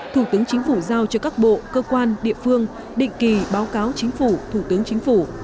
thủ tướng chính phủ giao cho các bộ cơ quan địa phương định kỳ báo cáo chính phủ thủ tướng chính phủ